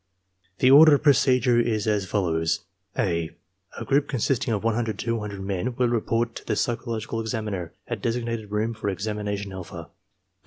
The order of procedure is as follows: (a) A group consisting of 100 to 200 men will report to the psychological examiner at designated room for examination alpha.